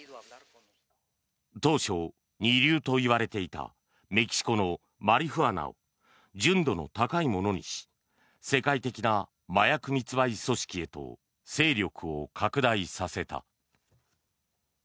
当初、二流といわれていたメキシコのマリフアナを純度の高いものにし世界的な麻薬密売組織へと勢力を拡大させた。